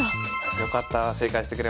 よかった！